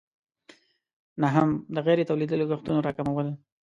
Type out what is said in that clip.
نهم: د غیر تولیدي لګښتونو راکمول.